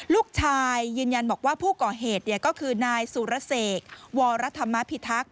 ยืนยันบอกว่าผู้ก่อเหตุก็คือนายสุรเสกวรธรรมพิทักษ